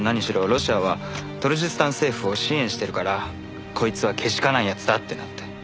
ロシアはトルジスタン政府を支援してるからこいつはけしからん奴だってなって。